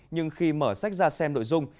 nhưng khi mở sách ra xem nội dung